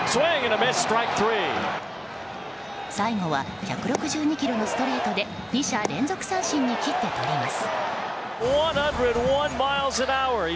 最後は１６２キロのストレートで２者連続三振に切ってとります。